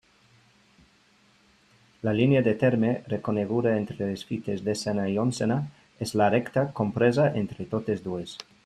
La línia de terme reconeguda entre les fites desena i onzena és la recta compresa entre totes dues.